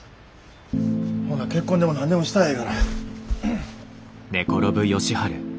ほな結婚でも何でもしたらええがな。